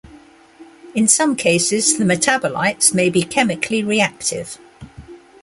In some cases the metabolites may be chemically reactive.